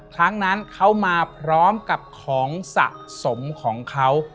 ครั้งนั้นเขามาพร้อมกับของสะสมของเขา